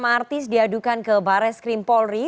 dua puluh enam artis diadukan ke bares krimpolri